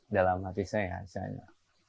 dalam hati saya